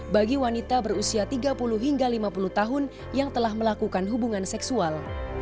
bagi wanita berusia tiga puluh hingga lima puluh tahun yang telah melakukan hubungan seksual